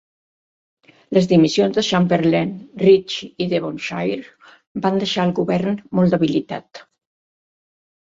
Les dimissions de Chamberlain, Ritchie i Devonshire van deixar el govern molt debilitat.